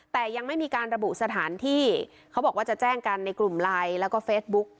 แต่ยังไม่มีการระบุสถานที่เขาบอกว่าจะแจ้งกันในกลุ่มไลน์แล้วก็เฟซบุ๊ก